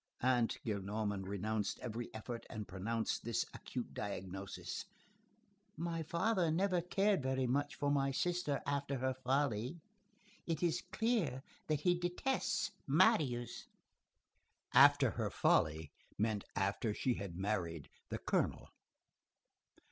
Aunt Gillenormand renounced every effort, and pronounced this acute diagnosis: "My father never cared very much for my sister after her folly. It is clear that he detests Marius." "After her folly" meant: "after she had married the colonel."